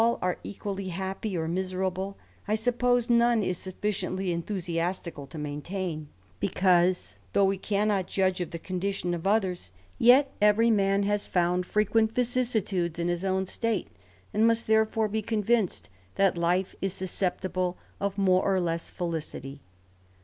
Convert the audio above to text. are equally happy, or miserable, I suppose none is sufficiently enthusiastical to maintain ; because though wc cannot judge of the condition of others, yet every man has found frequent vicissitudes in his own state, and must therefore be convinced that life is susceptible of more or lets felicity.